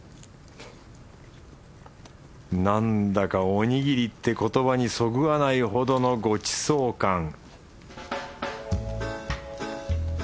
なんだかおにぎりって言葉にそぐわないほどのごちそう感